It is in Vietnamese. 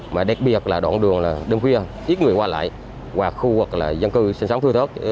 mà đặc biệt là đoạn đường là đêm khuya ít người qua lại hoặc khu vực là dân cư sinh sống thưa thớt